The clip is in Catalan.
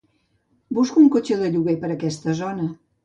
Busco un cotxe de lloguer per aquesta zona.